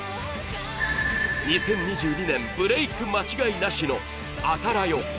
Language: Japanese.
２０２２年ブレイク間違いなしのあたらよ。